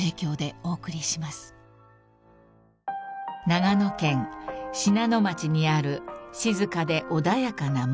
［長野県信濃町にある静かで穏やかな森］